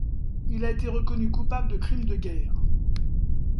Il a été reconnu coupable de crime de guerre.